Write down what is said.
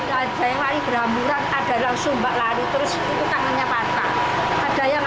ada yang lari beramburan ada langsung mbak lari terus itu tangannya patah